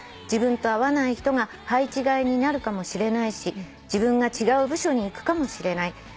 「自分と合わない人が配置換えになるかもしれないし自分が違う部署に行くかもしれない」